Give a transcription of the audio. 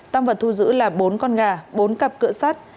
tăng vật thu giữ là bốn con gà bốn cặp cửa sát